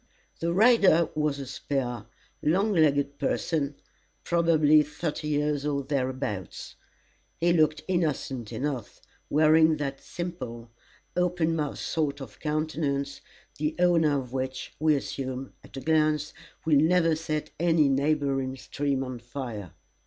The rider was a spare, long legged person, probably thirty years or thereabouts. He looked innocent enough, wearing that simple, open mouthed sort of countenance, the owner of which, we assume, at a glance, will never set any neighbouring stream on fire.